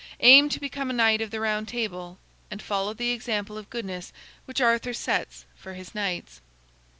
Aim to become a Knight of the Round Table, and follow the example of goodness which Arthur sets for his knights."